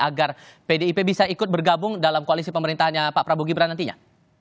agar pdip bisa ikut bergabung dalam koalisi pemerintahnya pak prabowo gibran nantinya